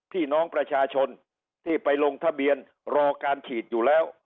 พี่น้องประชาชนที่ไปลงทะเบียนรอการฉีดอยู่แล้ว